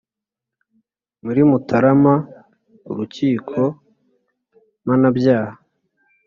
muri mutarama , urukiko mpanabyaha